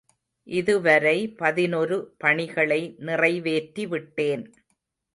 இதுவரை பதினொரு பணிகளை நிறைவேற்றிவிட்டேன்.